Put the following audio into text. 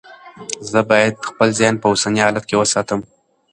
زه باید خپل ذهن په اوسني حالت کې وساتم.